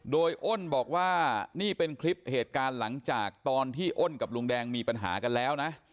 โดยอ้นบอกว่านี่เป็นคลิปเหตุการณ์หลังจากตอนที่อ้นกับลุงแดงมีปัญหากันแล้วนะ